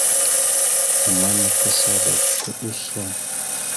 Ama nakw kasaba goko ɗʉso.